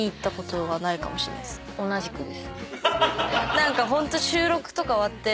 何かホント。